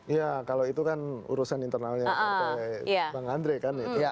ya kalau itu kan urusan internalnya oleh bang andre kan